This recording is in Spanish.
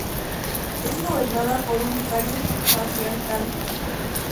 Es gobernada por un vicario patriarcal.